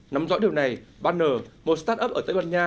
nắm rõ điều này banner một startup ở tây ban nha